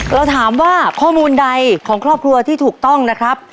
เราถามว่าข้อมูลใดของครอบครัวที่ถูกต้องนะครับ